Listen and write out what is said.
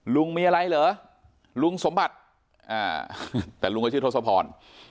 ลุงมีอะไรเหรอลุงสมบัติแต่ลุงก็ชื่อทศพร